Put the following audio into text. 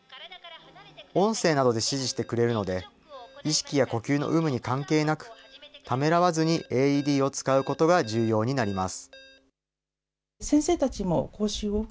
音声などで指示してくれるので、意識や呼吸の有無に関係なく、ためらわずにＡＥＤを使うことが重要になります。